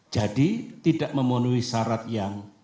jadi tidak memenuhi syarat yang